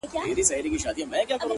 زما سرتوره انتظاره ، زه به مینه کوم